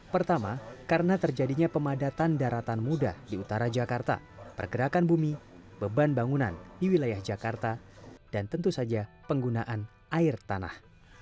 pertama karena terjadinya pemadatan daratan muda di utara jakarta pergerakan bumi beban bangunan di wilayah jakarta dan tentu saja penggunaan air tanah